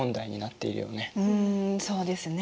うんそうですね。